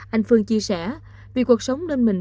anh phương chia sẻ vì cuộc sống nên mình